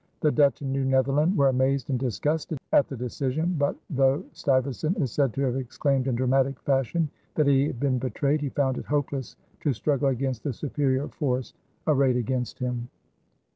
The Dutch in New Netherland were amazed and disgusted at the decision; but though Stuyvesant is said to have exclaimed in dramatic fashion that he had been betrayed, he found it hopeless to struggle against the superior force arrayed against him.